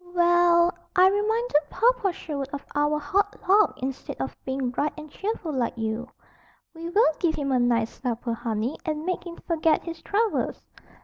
"We ell! I reminded Papa Sherwood of our hard luck instead of being bright and cheerful like you." "We will give him a nice supper, honey, and make him forget his troubles.